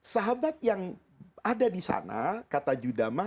sahabat yang ada di sana kata judama